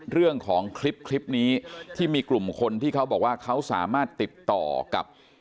เรื่องของคลิปนี้ที่มีกลุ่มคนที่เขาบอกว่าเขาสามารถติดต่อกับ